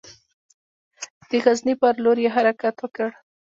د غزني پر لور یې حرکت وکړ.